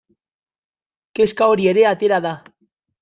Kezka hori ere atera da.